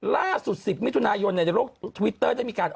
แต่ผมทำไมจะชอบคน